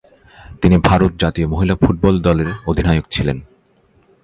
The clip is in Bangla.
তিনি ভারত জাতীয় মহিলা ফুটবল দলের অধিনায়ক ছিলেন।